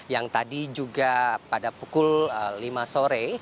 yang tadi juga pada pukul lima sore